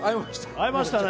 会えましたね。